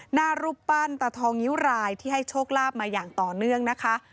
หน้ารูปปั้นตาทองนิ้วรายที่ให้โชคลาภมาอย่างต่อเนื่องนะคะ